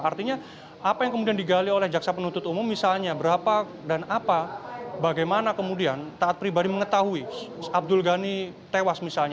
artinya apa yang kemudian digali oleh jaksa penuntut umum misalnya berapa dan apa bagaimana kemudian taat pribadi mengetahui abdul ghani tewas misalnya